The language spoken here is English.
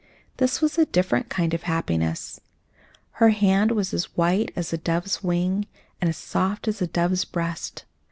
This was a different kind of happiness. Her hand was as white as a dove's wing and as soft as a dove's breast.